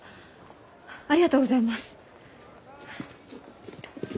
ありがとうございます。